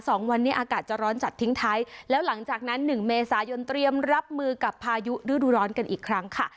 สองวันนี้อากาศจะร้อนจัดทิ้งท้ายแล้วหลังจากนั้นหนึ่งเมษายนเตรียมรับมือกับพายุฤดูร้อนกันอีกครั้งค่ะ